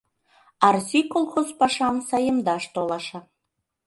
Арси колхоз пашам саемдаш толаша.